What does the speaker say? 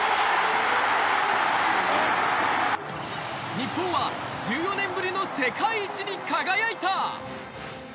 日本は１４年ぶりの世界一に輝いた。